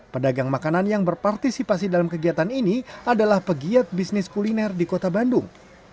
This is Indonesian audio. pedagang makanan yang berpartisipasi dalam kegiatan ini adalah pegiat bisnis kuliner di kota bandung